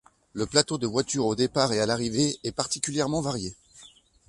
Le plateau de voitures au départ et à l'arrivée est particulièrement varié.